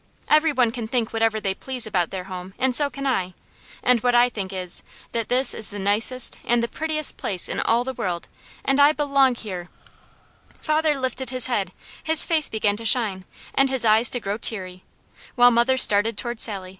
Every one can think whatever they please about their home, and so can I, and what I think is, that this is the nicest and the prettiest place in all the world, and I belong here " Father lifted his head, his face began to shine, and his eyes to grow teary; while mother started toward Sally.